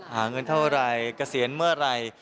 หาเงินเท่าไหร่เกษียณเมื่อไหร่